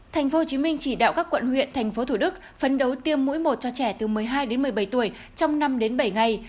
tp hcm chỉ đạo các quận huyện thành phố thủ đức phấn đấu tiêm mũi một cho trẻ từ một mươi hai đến một mươi bảy tuổi trong năm đến bảy ngày